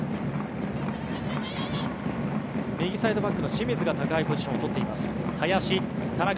右サイドバックの清水が高いポジションを取っています。